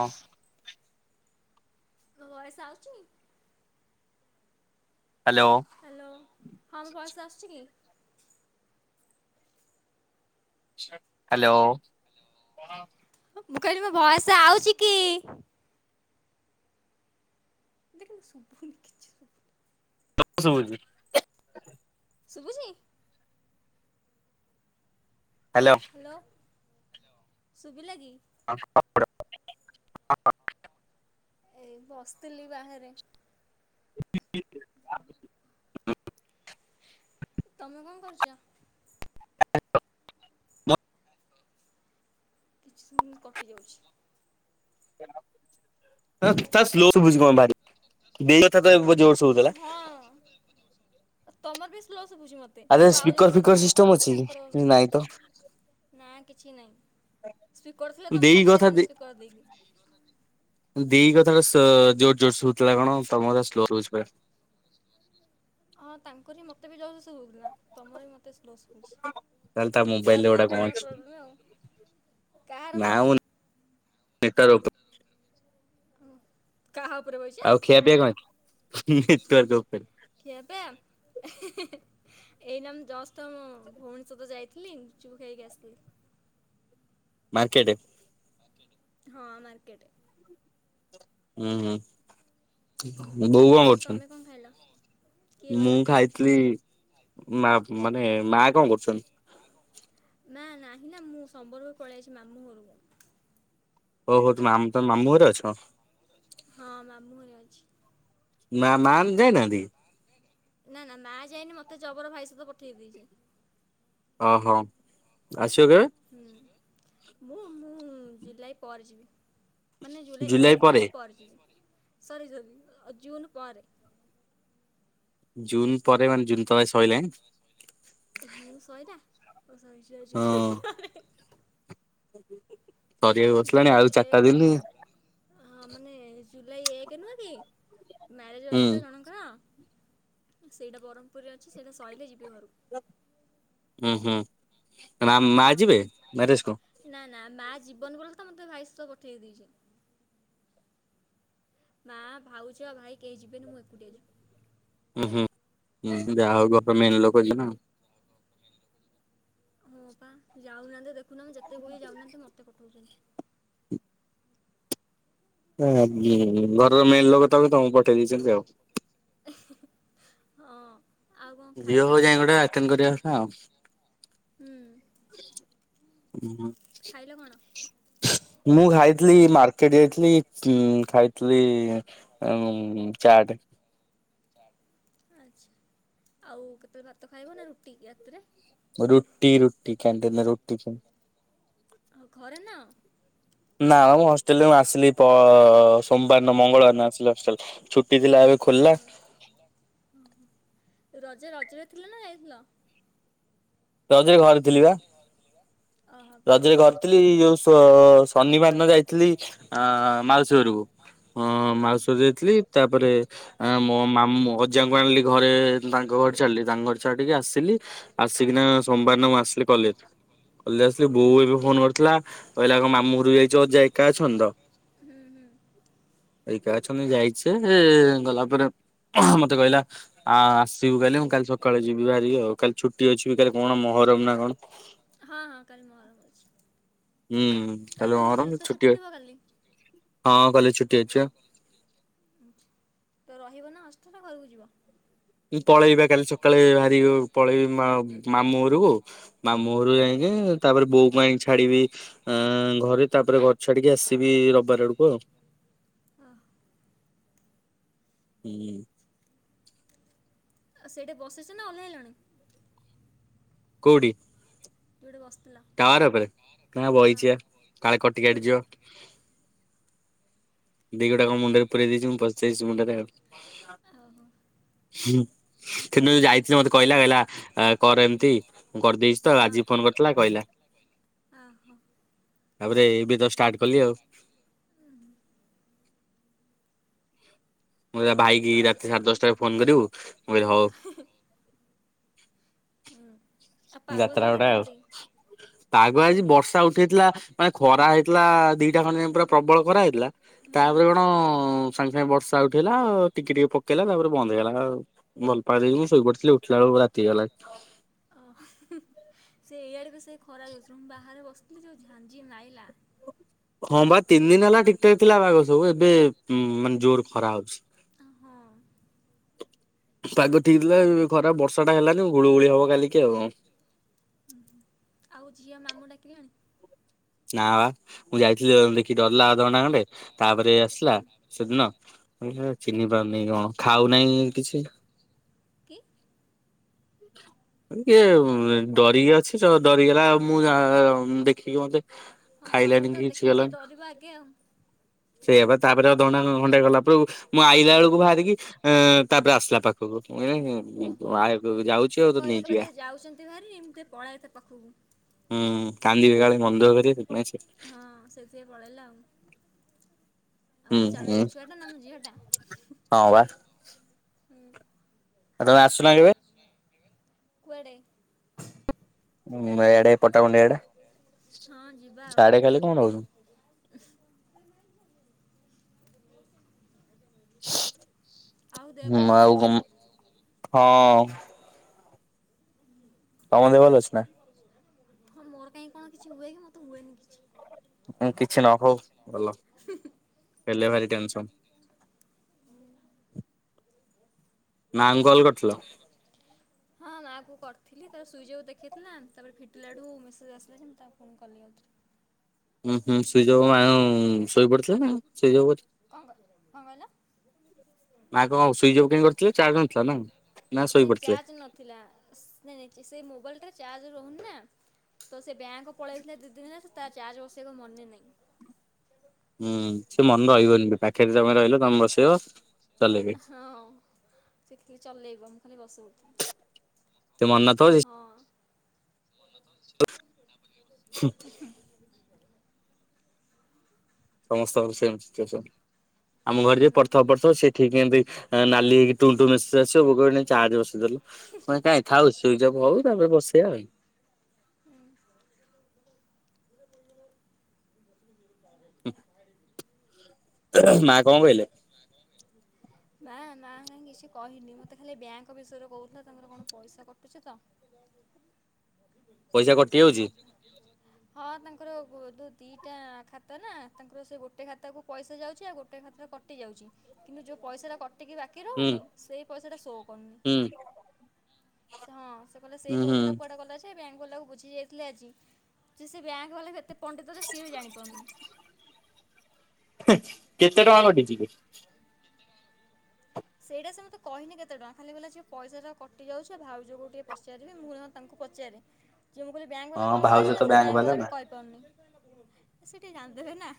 ହଁ ତୋ ଵୟସ ଆଉଚି। ହ୍ୟାଲୋ ହ୍ୟାଲୋ ହଁ ମୁଁ ବସ ଆସିୁଛି କି? ହ୍ୟାଲୋ [unintelligible] ମୁଁ କହିଲି ମୋ ଭୟସେ ଆଉଚି କି? ମୋତେ କିନ୍ତ ସବୁନି କିିଛି। [unintelligible] ସୁଭୁଚି। ହ୍ୟାଲୋ ଶୁଭିଲା କି? [unintelligible] ଏଇ ବସିଥିଲି ବାହାରେ। [unintelligible] ତମେ କଣ କରୁଛ? [unintelligible] ମ କିଛି ସମୟ କଟି ଯାଉଛି। ତା ତାର ସ୍ଲୋ ସୁବୁଚି କ ଭାରି ଦେଇ କଥା। ତ ଏବେ ଜୋର ଅ ସବୁଥିଲା। ହଁ ତମର ବି ସ୍ଲୋ ଶୁଭୁଛି ମତେ ଆରେ ମୁଁ ଆଉ ସ୍ପିକର ଜଣକ ଫିକର ସହିତ ସିଷ୍ଟମ କଥା ଅଛି ହଉଥିଲି କି? ନାଇଁ ତ ତାଙ୍କର ନା କିଛି ନହିଁ ସ୍ପିକର ଥିଲେ ତ ମୁଁ ଦେଇ କଥା ହେଇଥାନ୍ତ ସ୍ପିକର ଦେଇକି। ଦେଇଗ ସ ଜୋର ଜୋର ଶୁଥିଲା କଣ ତମେ କ ସ୍ଲୋ ରହୁଛି ପୁରା। ହଁ ତାଙ୍କ ବି ମତେ ବି ଜୋର ଶୁଭୁଥିଲା। ତମର ମତେ ସ୍ଲୋ ଶୁ ତାହେଲେ ତା ମୋବାଇଲ ନେଟୱର୍କ ରେ ଗୋଟା ଥିବ କଣ ତମର ଅଛି ପ୍ରୋବ୍ଲେମ ଆଉ। କାହାର ମ। ନେତା ରାଉତ। କାହା ଉପରେ ବଇଚା ଆଉ ଖିଆ ପିଆ କ ହେ ଖିଆ ପିଆ ହିଁ ହିଁ ହିଁ ଏଇ ନା ମୁଁ ଜଷ୍ଟ ତ ମୁଁ ଭୁବନେଶ୍ୱର ତ ଯାଇଥିଲି ଗୁପୁଚୁପୁ ଖାଇକି ଆସିଥିଲି। ମାର୍କେଟେ। ହଁ ମାର୍କେଟେ। ହୁଁ ହୁଁ। ବୋଉ କଣ ଆଉ ତମେ କଣ କରୁଛନ୍ତି? ଖାଇଲ? କିଏ ମୁଁ କହିଲ? ଖାଇଥିଲି। ମା ମାନେ ମା କଣ କରୁଛନ୍ତି। ନା ନାହିଁ ନା ମୁଁ ସମ୍ବଲପୁର ପଳେଇଆଇଚି ମାମୁଁ ଘରକୁ। ଓହୋ ତୁମ ମାମ ତମେ ମାମୁଁ ଘରେ ଅଛ। ହଁ ମାମୁ ଘରେ ଅଛି। ମା ମାନ ଯାଇନାହାନ୍ତି। ନା ନା ମା ଯାଇନି ମତେ ଜବର ଭାଇ ସହିତ ପଠେଇ ଦେଇଛି। ଓହୋ ଆ ହୁଁ ମୁଁ ମୁଁ ଜୁଲାଇ ପରେ ଯିବି। ମାନେ ଜୁଲାଇ ଏକ ତାରିଖ ପରେ ଯିବ ସରି ସରି ଜୁନ ପରେ। ଜୁନ୍ ପରେ ମାନେ ଜୁନ ତ ଏଇ ସଇଲାଣି। ଜୁନ ସଇଲା ଓ ସରି ସରି ସ ହଁ ଜୁନ୍ [unintelligible] ସରିବାକୁ ବସିଲାଣି ଜୁଲାଇ ଆଉ ଚାରିଟା ଏକେ ଦିନ ହଁ ମାନେ ଜୁଲାଇ ଏକ ନୁହଁ କି ମ୍ୟାରେଜ ହୁଁ ଅଛି ତ ଜଣଙ୍କର। ସେଇଟା ବରହ୍ମପୁରେ ଅଛି ସେଇଟା ସଇଲେ ଯିବି ଘରକୁ। ହୁଁ ହୁଁ ମା ମା ଯିବେ ହଁ ମ୍ୟାରେଜ କୁ? ନା ନା ମା ଯିବନି ବୋଲି ତ ମତେ ଭାଇ ସହ ପଠେଇ ଦେଇଚି। ମା ଭାଉଜ ଭାଇ କେହି ଯିବେନି ମୁଁ ଏକୁଟିଆ ଯିବି। ଉ ହୁଁ ହଁ ଯାହା ହଉ ଘର ର ମେନ୍ ଲୋକ ଯିବେ ଆଉ। ହଁ ପା ଯାଉନାହାନ୍ତି ଦେଖୁନ ଯେତେ କୁହଚି ଯାଉନାହାନ୍ତି ମତେ ପଠଉଛନ୍ତି। ହଁ ଜୋଉ ଘରର ମେନ୍ ଲୋକ ତମେ ତମକୁ ପଠେଇ ଦେଇଛନ୍ତି ଆଉ। ହଁ। ଆଉ କଣ ଯିଏ ଖାଇଲ? ହଉ ଯାଇ ଗୋଟେ ଆଟେଣ୍ଡ କରିବା କଥା ଆଉ। ହୁଁ ହୁଁ। ଖାଇଲ କଣ? ମୁଁ ଖାଇଥିଲି ମାର୍କେଟ ଯାଇଥିଲି ଉଁ ଖାଇଥିଲି ଉଁ ଚାଟେ। ଆଛା ଆଉ କେତେବେଳେ ଭାତ ଖାଇବ ନା ରୁଟି ରାତିରେ? ରୁଟି ରୁଟି କ୍ୟାଣ୍ଟିନ ରୁ ଆଉ ଘରେ ନାଅ? ନା ମୁଁ ହଷ୍ଟେଲରେ ମୁଁ ଆସିଲି ପ ସୋମବାର ଦିନ ମଙ୍ଗଳବାର ଦିନ ଆସିଲି ହଷ୍ଟେଲ ଛୁଟି ଥିଲା ଏ ହଁ ଖୋଲିଲା ହଁ ରଜ ରଜରେ ଥିଲ ନା ଯାଇଥିଲ? ରଜରେ ଘରେ ଥିଲି ବା। ଓହୋ। ରଜରେ ଘରେ ଥିଲି ଯୋଉ ଶ ଶନିବାର ଦିନ ଯାଇଥିଲି ଆଁ ମାଉସୀ ଘରକୁ। ହଁ ମାଉସି ଘରକୁ ଯାଇଥିଲି ତାପରେ ଆଁ ମୋ ମାମୁଁ ଅଜାଙ୍କୁ ଆଣିଲି ଘରେ ତାଙ୍କ ଘରେ ଛାଡ଼ିଲି ତାଙ୍କ ଘରେ ଛାଡିକି ଆସିଲି ଆସି କିନା ସୋମବାର ଦିନ ମୁଁ ଆସିଲି କଲେଜ କଲେଜ ଆସିଲି ବୋଉ ଆଚ୍ଛା। ଏବେ ଫୋନ କରିଥିଲା କହିଲା କଣ ମାମୁଁଘରୁ ଯାଇଛି ଅଜା ଏକା ଅଛନ୍ତି ତ ହୁଁ ହୁଁ। ଏକା ଅଛନ୍ତି ଯାଇଛେ ସେ ଗଲା ପରେ ମତେ କହିଲା ଆ ଆସିବୁ କାଲି ମୁଁ କାଲି ସକାଳେ ଯିବି ବାହାରିକି ଆଉ କାଲି ଛୁ ଟି ଅଛି ବି କାଲି କଣ ମହରମ ନା କଣ? ହଁ ହଁ କାଲି ମହରମ ଅଛି। ହୁଁ ତାହେଲେ କାଲି ତମ କଲେଜ ମହରମ ତ ଛୁଟି ଥିବ କାଲି ହଁ କଲେଜ ଛୁଟି ଅଛି ବା। ତ ରହିବ ନା ହଷ୍ଟେଲ ରେ ଘରକୁ ଯିବ? ମୁଁ ପଳେଇବା କାଲି ସକାଳେ ବାହାରିକି ପଳେଇବି ମା ମାମୁଁ ଘରକୁ ମାମୁଁ ଓ ଘରୁ ଯାଇଁକି ତାପରେ ବୋଉକୁ ଆଣିକି ଛା ଛାଡିବି ଆଁ ଘରେ ତାପରେ ଘର ଛାଡିକି ଆସିବି ରବିବାରେ ଆଡକୁ ଆଉ। ଆଉ ହୁଁ। ସେଇଠି ବସିଚ ନା ଓଲ୍ହେଇଲଣି? କୋଠି? ଯେଉଠି ବସ ଟାୱାର ଉପରେ ହଁ ବଇଚି ବା କାଳେ କଟିିକିଟି ଯିବ। ଦି ଗୋଡ଼ ଆଙ୍କ ମୁଣ୍ଡରେ ପୁରଇ ଦେଇଛି ମୁଁ ପସଯାଇଚି ମୁଣ୍ଡରେ ଆଉ। ଓହୋ କିନ୍ତୁ ଯାଇଥିଲି ମତେ କହିଲା କହିଲା ଆ କର ଏମିତି। ମୁଁ କରିଦେଇଛି ତ ଆଜି ହଁ। ଫୋନ କରିଥିଲା କହିଲା ଓହୋ ତାପରେ ଏବେ ତ ଷ୍ଟାଟ କଲି ଆଉ। ମୁଁ କ ଭାଇକି ଆଉ ସେ ରାତି ସାଢେ ଦଶଟା ରେ ଫୋନ କରିବୁ ମୁଁ କହିଲି ହଉ। ହୁଁ ଆଉ ପାଗ ଯାତ୍ରା ସିଆଡ଼େ ଗୁଡେ ଆଉ। କେମିତି? ପାଗ ଆଜି ବର୍ଷା ଉଠେଇଥିଲା, ମାନେ ଖରା ହେଇଥିଲା ଦିଟା ଖଣ୍ଡ ଯାଇଁ ପୁରା ପ୍ରବଳ ଖରା ହେଇଥିଲା। ହୁଁ ତାପରେ ହୁଁ। କଣ ସାଙ୍ଗେ ସାଙ୍ଗେ ବର୍ଷା ର୍ଷା ଉଠେଇଲା ଟିକେ ଟିକେ ପକେଇଲା ତାପରେ ବନ୍ଦ ହେଇଗଲା। ଆଉ ଭଲ ପା ଦେଇକି ମୁଁ ଶୋଇ ପଡିଥିଲି ଉଠିଲା ବେଳ ରାତି ହେଇଗଲା। ହଉ। ଓହ ସେ ଏଇଆଡକୁ ସେ ଖରା ହେଇଚି ମୁଁ ବାହାରେ ବସିଥିଲି, ଯୋଉ ଝାଞ୍ଜି ମାଇଲା ହଁ ବା ତିନି ଦିନ ହେଲା ଠିକଠାକ ଥିଲା ପାଗ ସବୁ, ଏବେ ମାନେ ଜୋର ଖରା ହଉଛି। ହଁ। ପାଗ ଠିକ ଥିଲା ଏବେ ଖରାପ ବର୍ଷା ଟା ହେଲା ଯୋଉଁ ଗୁଳୁଗୁଳି ହବ କାଲିକି ଆଉ। ଆଉ ଝିଅ ମାମୁଁ ଡାକିଲେଣି? ନା ବା ମୁଁ ଯାଇଥିଲି ଝିଅ ଦେଖି ଡରିଲା ଅଧ ଘଣ୍ଟା ଖଣ୍ଡେ। ତାପରେ ଆସିଲା, ସେଦିନ ମୁଁ କହିଲି ଚିହ୍ନି ପାରୁନେଇ କଣ? ହଁ ଖାଉ ନାହିଁ କିଛି? କି ଇଏ ଡରିକି ଅଛି ତ ଡରିଗଲା ଆଉ ମୁଁ ଯା ଦେଖିକି ମତେ ହଁ ତମକୁ ତ ଦେଖିକି ସେ ଡରିବା ଆଗେ ଆଉ। ସେୟା ବା ତାପରେ ଅଧ ଘଣ୍ଟା ଖଣ୍ଡେ ଘଣ୍ଟାଏ ଗଲା ପରକୁ ମୁଁ ଆଇଲା ବେଳକୁ ବାହାରିକି ଇଁ ତାପରେ ଆସିଲା ପାଖକୁ। ଓ କହିଲି ଯାଉଛି ଆଉ ସେ ତତେ କହିଲା କହିଲା ନେଇଯିବା। ସେ ଯାଉଛନ୍ତି ଭାରି ମୁଁ ଟିକେ ପଳାଇ ତାଙ୍କ ପାଖକୁ। ହୁଁ ତା ଦେଖ ପଳେଇଆସିବ। ହଁ ସେଇଥିପାଇଁ ପଳେଇଲା ଆଉ ଆମର ଚାଲିକି ଛୁଆଟା ନା ଆମ ଝିଅଟା ବା ଆଉ ହୁଁ ଆଉ ତମେ ଆସୁନା କେବେ? କୁଆଡେ? ଉଁ ଇଆଡେ ପଟ୍ଟାମୁଣ୍ଡାଇ ଆଡ଼େ। ହଁ ଯିବା ଆଉ। ସାଡେ ଖାଲି କଣ ରହୁଚୁ? ଆଉ ଦେହ ପା ମୁଁ ଭଲ ଆଉ ଅଛି? କଣ ହଁ। ତମ ଦେହ ଭଲ ଅଛି ନା? ହଁ ମୋର କାଇଁ କଣ କିଛି ହୁଏ କି ମୋର ତ ହୁଏନି କିଛି। କିଛି ନ ହଉ ଭଲ। ହେଲେ ଭାରି ଟେନସନ୍। ନାମ କଲ କରିଥିଲ? ଥିଲି ତାପରେ ସୁଇଚ୍ ଅଫ୍ ଦେଖେଇଥିଲା, ତାପରେ ଫିଟିଲା ଠୁ ମେସେଜ୍ ଆସିଲା ଯେ ମୁଁ ତାକୁ ଫୋନ କଲି ଆଉଥରେ। ହୁଁ ହୁଁ ସୁଇଚ୍ ଅଫ୍ ଆ ଶୋଇପଡିଥିଲା ନା ଆଉ ସୁଇଚ୍ ଅଫ୍ କରି କଣ କ କଣ କହିଲ? ମା କଣ ସୁଇଚ ଅଫ୍ କାଇଁ କରିଥିଲେ? ଚା ନାଇଁ ଚାର୍ଜ ନଥିଲା। ନାଇଁ ନାଇଁ ସେଇ ମୋବାଇଲ ଟାରେ ଚାର୍ଜ ରହୁନି ନା, ତ ସେ ବ୍ୟାଙ୍କ ପଳେଇଥିଲେ ଦିଦିନ ହେଲା ତାର ଚାର୍ଜ ବସେଇବାକୁ ମନେ ନାହିଁ। ହୁଁ ସିଏ ମନେ ରହିବନି ବା ପାଖରେ ତମେ ରହିଲେ ତମେ ବସେଇବ ଚଲେଇବେ। ହଁ ସେତିକି ଚଲେଇବ ମୁଁ ଖାଲି ହଁ। ସେ ମନେ ନଥିବ ସେ ହଁ। ସମସ୍ତଙ୍କର ସେମ୍ ସିଚୁଏସନ୍। ଆମ ଘରେ ଯିଏ ହୁଁ ପଢ଼ିଥିବ ପଢ଼ିଥିବ ସିଏ ଠିକ ଏମତି ନାଲି ହେଇକି ଟୁଁ ଟୁଁ ମେସେଜ ଆସିବ, ବୋଉ କହିବ ନେଇକି ଚାର୍ଜ ବସେଇ ଦେଲୁ। ମୁଁ କହିଲି କାଇଁକି ଥାଉ ସୁଇଚ୍ ଅଫ୍ ହଉ ତାପରେ ବସେଇବା ଆଉ। ହୁଁ। ହୁଁ ମା କଣ କହିଲେ? ମା ନାଁ କାହିଁ କିଛି କହିନି। ମତେ ଖାଲି ଏଇ ବ୍ୟାଙ୍କ ବିଷୟରେ କହୁଥିଲା ତାଙ୍କର କଣ ପଇସା କଟୁଛି ତ। ପଇସା ସେଇ କଟି ବିଷୟରେ ଯାଉଛି କହୁ ଦି'ଟା ଖାତା ନା ତାଙ୍କର ସେ ଗୋଟେ ଖାତାକୁ ପଇସା ଯାଉଛି। ଆଉ ଗୋଟେ ଖାତା କଟି ଯାଉଛି। କିନ୍ତୁ ଯୋଉଁ ପଇସା ଟା କଟିକି ବାକି ହୁଁ ରହୁନି। ସେଇ ପଇସା ଟା ସୋ କରୁନି। ହୁଁ ହଁ ସେ କହିଲେ ସେଇ ଉଁ ହୁଁ ପଇସା ଟା କୁଆଡ଼େ ଗଲା ଯେ ବ୍ୟାଙ୍କ ବାଲାକୁ ବୁଝି ଯାଇଥିଲେ ଆଜି ଯେ ସେ ବ୍ୟାଙ୍କ ବାଲାକୁ ଏତେ ପଣ୍ଡିତ ଯେ ସିଏ ବି ଜାଣିପାରୁନି। କେତେ ଟଙ୍କା କଟିଚି କି? ସେଇଟା ସେମିତି କହିନି କେତେ ଟଙ୍କା ଖାଲି କହିଲା ଝିଅ ପଇସା ଟା କଟି ଯାଉଛି ଆଉ ଭାଉଜକୁ ଟିକେ ପଚାରିବିକହିଲି ହଁ ମୁଁ ତାଙ୍କୁ ପଚାରେ ଯିଏ ପଚାରିଲେ ବ୍ୟାଙ୍କ ବାଲା ହଁ କଣ ଭାଉଜ କହିଲେ? ତ ସେ ବ୍ୟାଙ୍କ ବାଲା ନା। ବି କହିପାରୁନି। ସେ ଟିକେ ଜାଣି ଦେବେନା। ନା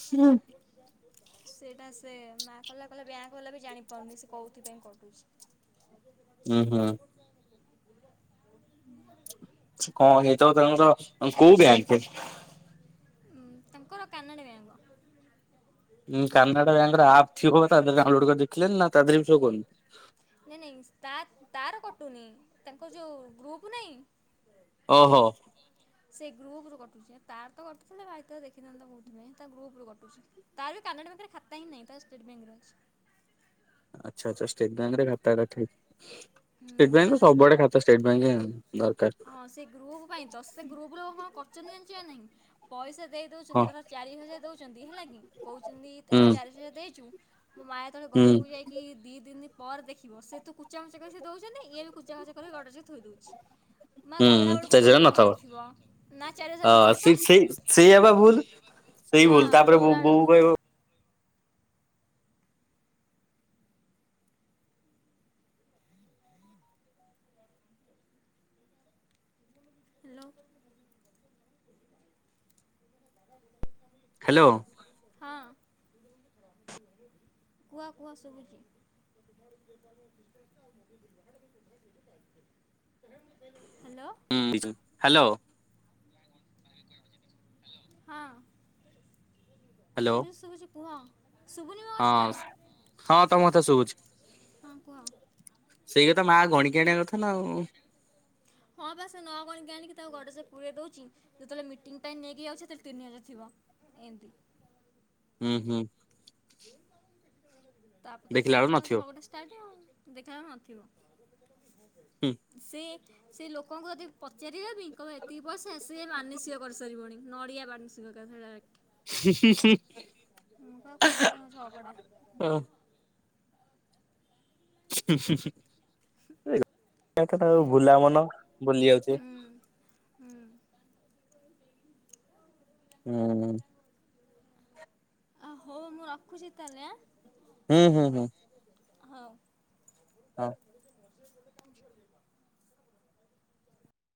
ହୁଁ। ସେଇଟା ସେ ମା କହିଲା କହିଲା ବ୍ୟାଙ୍କ ବାଲା ବି ଜାଣିପାରୁନି ସେ କୋଉଁଥିପାଇଁ କଟୁଚି। ହଁ ହଁ। କଣ ସେଇତ [unintelligible] କୋଉଁ ଯାଏଁ [unintelligible] ଉଁ ତାଙ୍କର କାନାଡ଼ା ବ୍ୟାଙ୍କ। କାନାଡା ବ୍ୟାଙ୍କ ର ଆପ୍ ଥିବ ତା ଦେହ ରେ ଡାଉନଲୋଡ କରିକି ଦେଖିଲୁଣି ନା ତା ଦେହ ରେ ଶୋ କରୁନି? ନାଇଁ ନାଇଁ ତା ତାର କଟୁନି ତାଙ୍କ ଯୋଉଁ ଗ୍ରୁପ ନାଇଁ? ଓ ହୋ। ସେଇ ଗ୍ରୁପ ରୁ କଟୁଛି। ତାର ତ କଟୁଥିଲେ ଭାଇ ତ ଦେଖିଥାନ୍ତା ବୋଧହୁଏ। ତା ଗ୍ରୁପ ରୁ କଟୁଛି। ତାର ବି କା ନାଡ଼ା ବ୍ୟାଙ୍କ ରେ ଖାତା ହିଁଁ ନାହିଁ। ତାର ଷ୍ଟେଟ ବ୍ୟାଙ୍କ ରେ ଅଛି। ଆଛା ଆଛା ଷ୍ଟେଟବ୍ୟାଙ୍କ ରେ ଖାତାଥିବ। ହୁଁ ତାର ଦରକାର। ହଁ ସେ ଗ୍ରୁପ ପାଇଁ ତ ସେ ଗ୍ରୁପ ର କଣ କ [unintelligible] ଜାଣିଚୁ ନା ନାଇଁ ପଇସା ଦେଇ ହଁ ଦେଉଛନ୍ତି ଧର ଚାରି ହଜାର ଦଉ ଦ ହେଲା କି କହୁଛନ୍ତି। ତମେ ହୁଁ ଚାରି ହଜାର ଦେଇଚୁ। ମୋ ମା ଯେତେବେଳେ ହୁଁ ଘରକୁ ଯାଇକି ଦି ଦିନି ପରେ ଦେଖିବ ସେ ତ କୁଚାମୁଚା ସେ ଦଉଛନ୍ତି ଇଏ ବି କୁଚାମୁଚା କରିକି ଗଡ଼ରେଜ ରେ ଥୋଇଦେଉଚି। ହୁଁ ସେଝ ନଥବ ନା ଚାରି ହଜାର ନଥିବ ଆ ପା। ସେ ସେଇ ସେଇଆ ବା ଭୁଲ। ସେଇ ହଁ ଭୁଲ ତାପରେ ଗଲା ବୋଉ ବୋଉ ବେଳକୁ କହିବ ହ୍ୟାଲୋ। ହ୍ୟାଲୋ। ହଁ। ହ କୁହ କୁହ ଶୁଭୁଛି? ହ୍ୟାଲୋ ହ୍ନୁ ହ୍ୟାଲୋ। ହଁ ହ୍ୟାଲୋ ଶୁଭୁଚି ଶୁଭୁଚି କୁହ? ଶୁଭୁନି ମୋ କଥା ହଁ ହଁ ତ ମତେ ଶୁଭୁଚି। ହଁ କୁହ ସେଇ କଥା ମା ଗଣିକି ଆଣିବା କଥା ନା ଆଉ ହଁ ବା ସେ ନ ଗଣିକି ଆଣିକି ଆଉ ଗଡ଼ରେଜ ପୁରଇ ଦଉଛି। ଯେତେବେଳେ ମିଟିଂ ଟାଇମ ନେଇକି ଯାଉଛି। ସେତେବେଳେ ତିନି ହଜାର ଥିବ ଏମିତି। ହୁଁ ହୁଁ। ତାପରେ ତ ଦେଖିଲା ବେଳୁ ଜାଣିଥିବ ନଥିବ। ଝଗଡା ଷ୍ଟାର୍ଟ ଆଉ ଦେଖିଲା ବେଳୁ ନଥିବ ହୁଁ ସେ ସେ ଲୋକଙ୍କୁ ଯଦି ପଚାରିବ ବି କଣ ଏତିକି ପଇସା ମାନସିକ କରିସାରିବଣି ନଡିଆ ମାନସିକ। [unintelligible] ହିଂ ହିଂ ହିଂ ହ୍ନୁ ପା କୁହନି ତାଙ୍କ ଝଗଡା। ହଁ ହ୍ନୁ ହ୍ନୁ [unintelligible] ତାଙ୍କ ବୁଲା ମନ। ଭୁଲି ଯାଉଚି। ହୁଁ ହୁଁ ହୁଁ ହୁଁ ଆଉ ହଉ ମୁଁ ରଖୁଛି ତାହେଲେ ଆଁ ହୁଁ ହୁଁ ହଉ ହଁ।